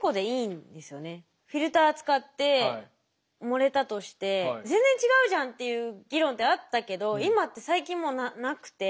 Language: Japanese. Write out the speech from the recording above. フィルター使って盛れたとして全然違うじゃんっていう議論ってあったけど今って最近もうなくて。